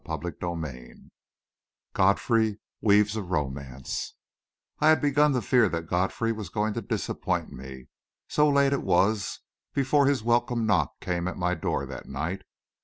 CHAPTER XXI GODFREY WEAVES A ROMANCE I had begun to fear that Godfrey was going to disappoint me, so late it was before his welcome knock came at my door that night.